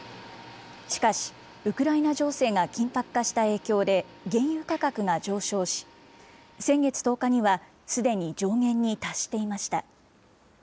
しかし、ウクライナ情勢が緊迫化した影響で、原油価格が上昇し、先月１０日にはすでに上限に達していました。